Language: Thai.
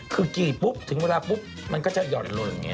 คือกรีดปุ๊บถึงเวลาปุ๊บมันก็จะหย่อนหล่นอย่างนี้